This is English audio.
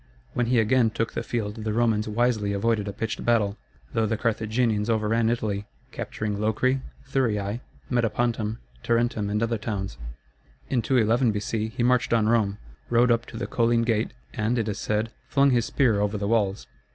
When he again took the field the Romans wisely avoided a pitched battle, though the Carthaginians overran Italy, capturing Locri, Thurii, Metapontum, Tarentum, and other towns. In 211 B.C. he marched on Rome, rode up to the Colline gate, and, it is said, flung his spear over the walls.